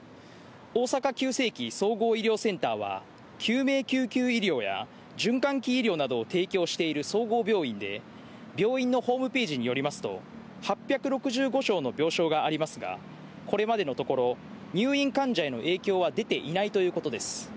大阪急性期・総合医療センターは、救命救急医療や循環器医療などを提供している総合病院で、病院のホームページによりますと、８６５床の病床がありますが、これまでのところ、入院患者への影響は出ていないということです。